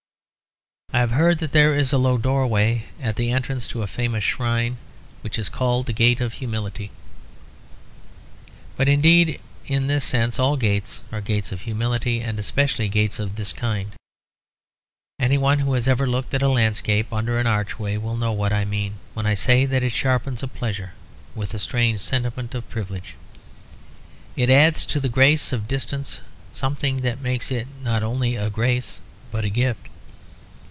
I have heard that there is a low doorway at the entrance to a famous shrine which is called the Gate of Humility; but indeed in this sense all gates are gates of humility, and especially gates of this kind. Any one who has ever looked at a landscape under an archway will know what I mean, when I say that it sharpens a pleasure with a strange sentiment of privilege. It adds to the grace of distance something that makes it not only a grace but a gift.